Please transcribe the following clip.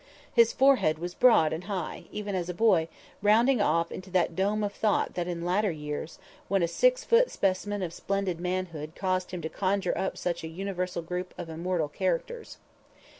His forehead was broad and high, even as a boy, rounding off into that "dome of thought" that in later years, when a six foot specimen of splendid manhood caused him to conjure up such a universal group of immortal characters.